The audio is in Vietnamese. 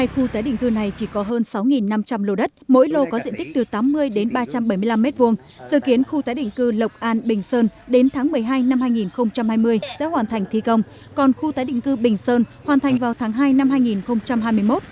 hai mươi khu tái định cư này chỉ có hơn sáu năm trăm linh lô đất mỗi lô có diện tích từ tám mươi đến ba trăm bảy mươi năm m hai dự kiến khu tái định cư lộc an bình sơn đến tháng một mươi hai năm hai nghìn hai mươi sẽ hoàn thành thi công còn khu tái định cư bình sơn hoàn thành vào tháng hai năm hai nghìn hai mươi một